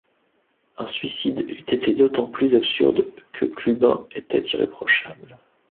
Un suicide eût été d’autant plus absurde, que Clubin était irréprochable.